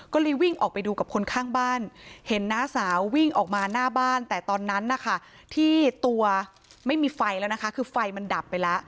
ก็เลยวิ่งออกไปดูกับคนข้างบ้านเห็นน้าสาววิ่งออกมาหน้าบ้านแต่ตอนนั้นนะคะที่ตัวไม่มีไฟแล้วนะคะคือไฟมันดับไปแล้ว